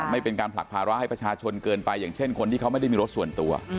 ไม่เป็นการผลักภาระให้ประชาชนเกินไปอย่างเช่นคนที่เขาไม่ได้มีรถส่วนตัว